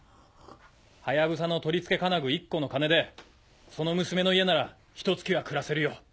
隼の取り付け金具１個の金でその娘の家ならひと月は暮らせるよ。